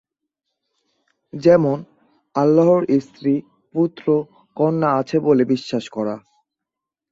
যেমন: আল্লাহর স্ত্রী, পুত্র, কন্যা আছে বলে বিশ্বাস করা।